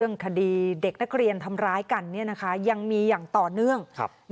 คดีเด็กนักเรียนทำร้ายกันยังมีอย่างต่อเนื่อง